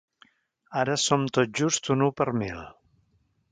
Ara som tot just un u per mil.